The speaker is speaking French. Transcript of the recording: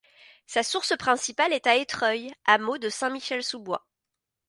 Sa source principale est à Étreuille, hameau de Saint-Michel-sous-Bois.